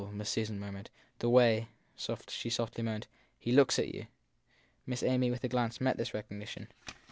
Miss Susan murmured. The way, she softly moaned, he looks at you! Miss Amy, with a glance, met this recognition.